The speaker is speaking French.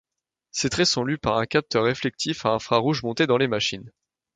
Ces traits sont lus par un capteur réflectif à infrarouges monté dans les machines.